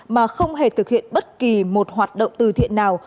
mà không hề thực hiện bất kỳ một hoạt động từ thiện nào